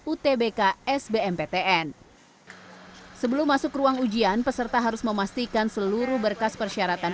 utbk sbmptn sebelum masuk ruang ujian peserta harus memastikan seluruh berkas persyaratan